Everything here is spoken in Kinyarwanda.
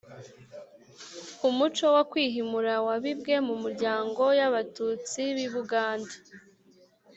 ku muco wo kwihimura wabibwe mu miryango y'abatutsi b'i buganda